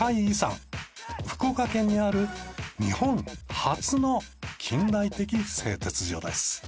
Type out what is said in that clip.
福岡県にある日本初の近代的製鉄所です。